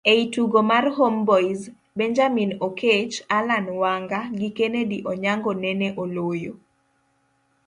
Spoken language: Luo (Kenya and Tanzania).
ei tugo mar Homeboyz, Benjamin Oketch, Allan Wanga gi Kennedy Onyango nene oloyo